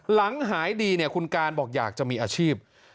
หลังหายดีเนี่ยคุณการบอกอยากจะมีอาชีพ